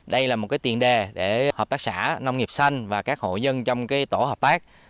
đây là một tiền đề để hợp tác xã nông nghiệp xanh và các hộ dân trong tổ hợp tác